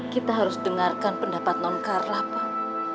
kita harus dengarkan pendapat non karla pang